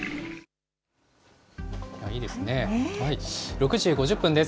６時５０分です。